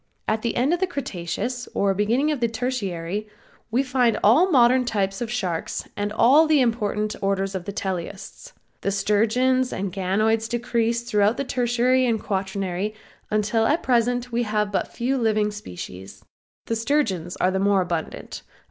At the end of the Cretaceous or beginning of the Tertiary we find all of our modern types of sharks and all of the important orders of teleosts. The sturgeons and ganoids decreased throughout the Tertiary or Quaternary until at present we have but few living species. The sturgeons are the more abundant.